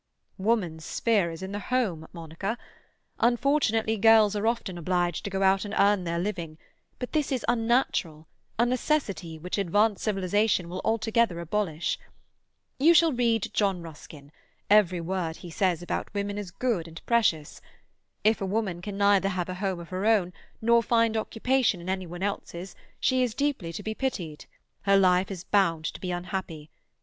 "Woman's sphere is the home, Monica. Unfortunately girls are often obliged to go out and earn their living, but this is unnatural, a necessity which advanced civilization will altogether abolish. You shall read John Ruskin; every word he says about women is good and precious. If a woman can neither have a home of her own, nor find occupation in any one else's she is deeply to be pitied; her life is bound to be unhappy.